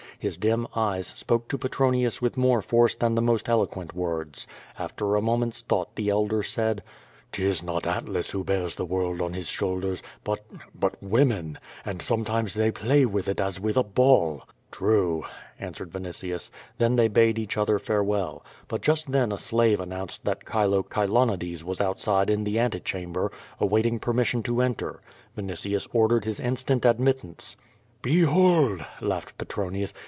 His dim eyes spoke to Petronius with more force than the most eloquent words. After a moment's thought the elder said: "'Tis not Atlas who bears the world on his shoulders, but — ^but — ^women, and sometimes they play with it as with a ball." "True," answered Vinitius. Then they bade each other farewell. But just then a slave announced that Chilo Chilo nides was outside in the ante chaml>er, awaiting permission to enter. Vinitius ordered his instant admittance. "Behold!" laughed Petronius.